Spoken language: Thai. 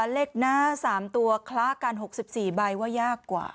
เลขหน้า๓ตัวคละกัน๖๔ใบว่ายากกว่า